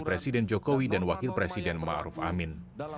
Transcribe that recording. presiden jokowi dan wakil presiden ma'ruf amin